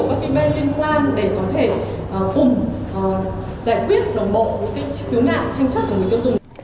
các ký mê liên quan để có thể cùng giải quyết đồng bộ những khiếu ngạc tranh chất của người tiêu dùng